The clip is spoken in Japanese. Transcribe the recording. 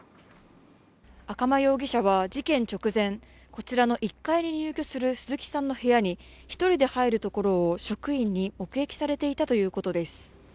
赤間容疑者は事件直前、こちらの１階に入居する鈴木さんの部屋に１人で入るところを職員に目撃されていたということです。